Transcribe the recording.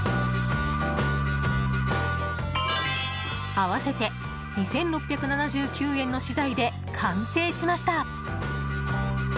合わせて２６７９円の資材で完成しました。